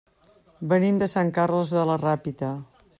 Venim de Sant Carles de la Ràpita.